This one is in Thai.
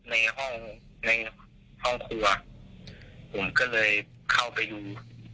ในห้องในห้องครัวผมก็เลยเข้าไปดู